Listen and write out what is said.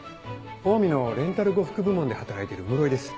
オウミのレンタル呉服部門で働いてる室井です。